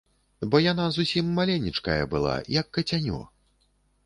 Бо яна зусім маленечкая была, як кацянё!